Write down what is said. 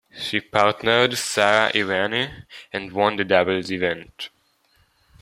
She partnered Sara Errani and won the doubles event.